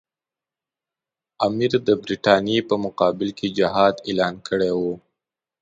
امیر د برټانیې په مقابل کې جهاد اعلان کړی وو.